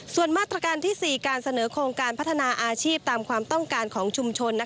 ส่วนมาตรการที่๔การเสนอโครงการพัฒนาอาชีพตามความต้องการของชุมชน